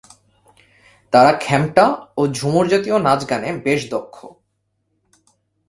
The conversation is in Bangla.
তারা খেমটা ও ঝুমুর জাতীয় নাচ-গানে বেশ দক্ষ।